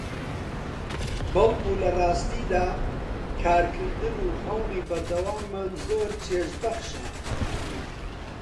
بەڵکو لەڕاستیدا کارکردن و هەوڵی بەردەواممان زۆر چێژبەخشە